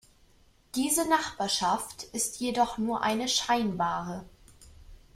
Diese Nachbarschaft ist jedoch nur eine scheinbare.